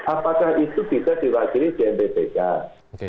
apakah itu bisa diwakili di mpbk